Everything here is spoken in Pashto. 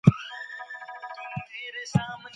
د بشر فطرتي ازادي بايد خوندي وي.